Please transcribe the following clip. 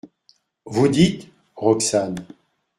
Vous dites ?… ROXANE.